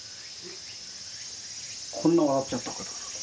こんな笑っちゃったから。